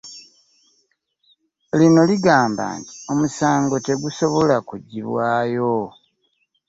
Lino ligamba nti omusango tegusobola kuggyibwayo